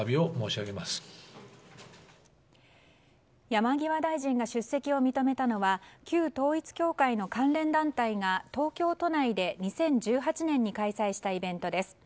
山際大臣が出席を認めたのは旧統一教会の関連団体が東京都内で２０１８年に開催したイベントです。